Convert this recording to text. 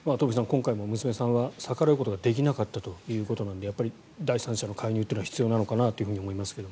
今回の娘さんは逆らうことができなかったということでやっぱり第三者の介入は必要なのかなと思いますけど。